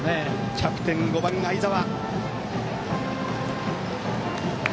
キャプテン５番、相澤。